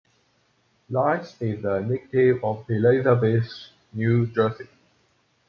Lyons is a native of Elizabeth, New Jersey.